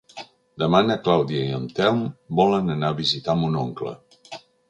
Demà na Clàudia i en Telm volen anar a visitar mon oncle.